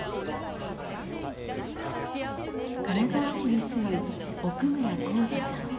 金沢市に住む奥村浩二さん。